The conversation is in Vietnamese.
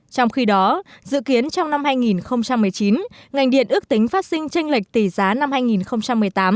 trong khi đó dự kiến trong năm hai nghìn một mươi chín ngành điện ước tính phát sinh tranh lệch tỷ giá năm hai nghìn một mươi tám